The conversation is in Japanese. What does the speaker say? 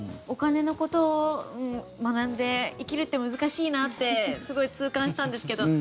お金のことを学んで生きるって難しいなってすごい痛感したんですけど。